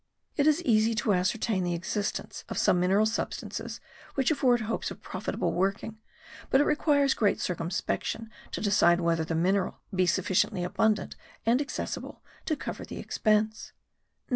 It is easy to ascertain the existence of some mineral substances which afford hopes of profitable working but it requires great circumspection to decide whether the mineral be sufficiently abundant and accessible to cover the expense.